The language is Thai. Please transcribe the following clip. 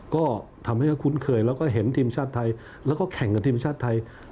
ก็ทำให้เขาคุ้นเคยแล้วก็เห็นทีมชาติไทยแล้วก็แข่งกับทีมชาติไทย